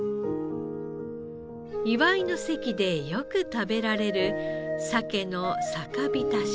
祝いの席でよく食べられる鮭の酒びたし。